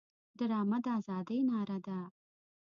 ډرامه د ازادۍ ناره ده